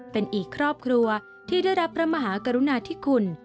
เป็นอีกครอบครัวที่ได้รับพระมหากรุณาธิคุณ